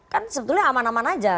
kan sebetulnya aman aman aja